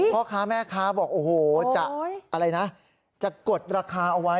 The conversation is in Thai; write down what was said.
พ่อค้าแม่ค้าบอกจะกดราคาเอาไว้